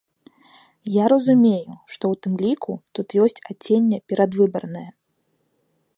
Я разумею, што, у тым ліку, тут ёсць адценне перадвыбарнае.